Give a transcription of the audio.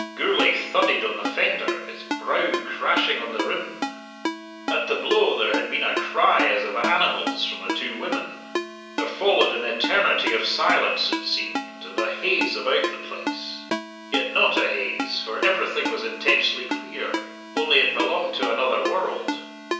Gourlay thudded on the fender, his brow crashing on the rim. At the blow there had been a cry as of animals from the two women. There followed an eternity of silence, it seemed, and a haze about the place; yet not a haze, for everything was intensely clear; only it belonged to another world.